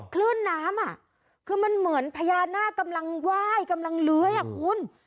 คลื่นน้ำอ่ะคือมันเหมือนพญานาคกำลังไหว้กำลังเลื้อยอ่ะคุณ